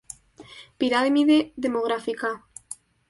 Pirámide demográfica.